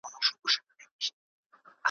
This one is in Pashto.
تور دېوان د شپې راغلي د رڼا سر یې خوړلی `